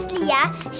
siapa yang berharap